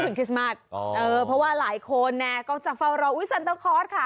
คริสต์มัสเพราะว่าหลายคนเนี่ยก็จะเฝ้ารออุ๊ซันเตอร์คอร์สค่ะ